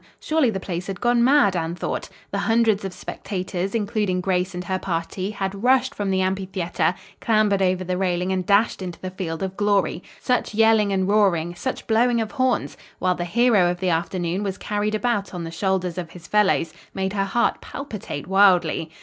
Surely the place had gone mad, Anne thought. The hundreds of spectators, including Grace and her party, had rushed from the ampitheater, clambered over the railing and dashed into the field of glory. Such yelling and roaring, such blowing of horns while the hero of the afternoon was carried about on the shoulders of his fellows, made her heart palpitate wildly.